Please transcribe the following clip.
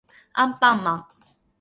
アンパンマン